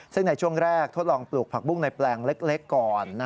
ซึ่งในช่วงแรกทดลองปลูกผักบุ้งในแปลงเล็กก่อน